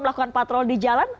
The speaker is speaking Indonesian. melakukan patrol di jalan